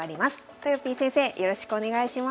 とよぴー先生よろしくお願いします。